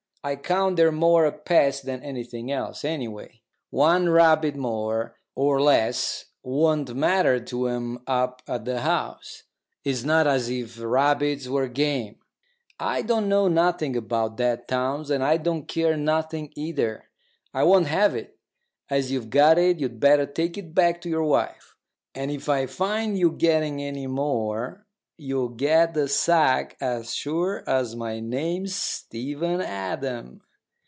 I count they're more a pest than anything else. Anyway, one rabbit more or less won't matter to 'em up at the House. It's not as if rabbits were game." "I don't know nothing about that, Townes, and I don't care nothing, either. I won't have it. As you've got it, you'd better take it back to your wife; and if I find you getting any more, you'll get the sack as sure as my name's Stephen Adam."